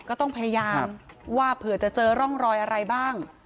ก็ต้องพยายามว่าเผื่อจะเจอร่องรอยอะไรบ้าง